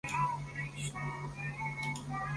从来没有想过这个问题